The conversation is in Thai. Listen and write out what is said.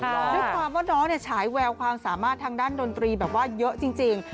ด้วยความว่าน้องเนี่ยฉายแววความสามารถทางด้านดนตรีแบบว่าเยอะจริง